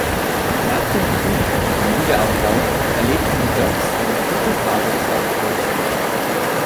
Nach dem Krieg und dem Wiederaufbau erlebten die Docks eine kurze Phase des Aufschwungs.